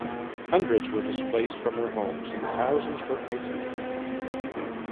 Hundreds were displaced from their homes and thousands were isolated.